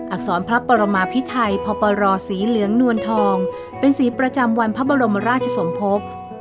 อรพระปรมาพิไทยพปรสีเหลืองนวลทองเป็นสีประจำวันพระบรมราชสมภพ